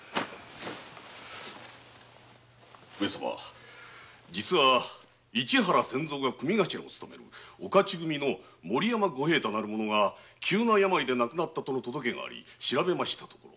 上様市原千蔵が組頭を勤めるお徒組の森山五平太なる者が急な病で亡くなったとの届けがあり調べたところ